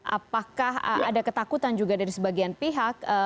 apakah ada ketakutan juga dari sebagian pihak